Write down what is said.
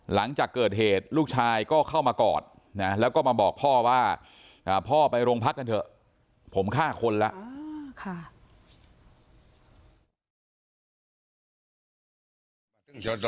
หลังจากเกิดเหตุลูกชายก็เข้ามากอดนะแล้วก็มาบอกพ่อว่าพ่อไปโรงพักกันเถอะผมฆ่าคนแล้ว